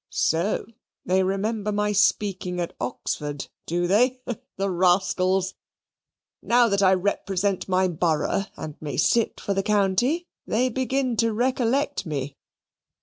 So they remember my speaking at Oxford, do they? The rascals! Now that I represent my borough and may sit for the county, they begin to recollect me!